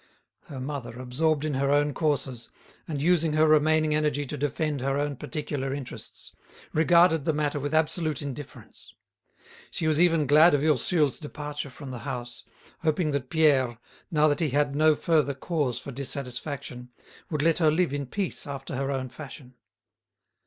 Her mother, absorbed in her own courses, and using her remaining energy to defend her own particular interests, regarded the matter with absolute indifference. She was even glad of Ursule's departure from the house, hoping that Pierre, now that he had no further cause for dissatisfaction, would let her live in peace after her own fashion.